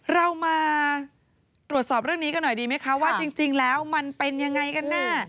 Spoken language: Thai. เรามาตรวจสอบเรื่องนี้กันหน่อยดีไหมคะว่าจริงแล้วมันเป็นยังไงกันแน่